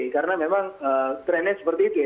karena memang trendnya seperti itu ya